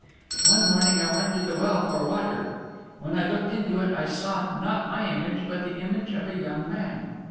One morning I went to the well for water. When I looked into it I saw, not my own image, but the image of a young man.